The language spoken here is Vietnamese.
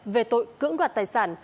về tội cưỡng đoạt tài sản